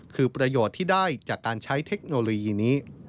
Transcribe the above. คือประโยชน์ที่ได้จากการใช้เทคโนโลยีนี้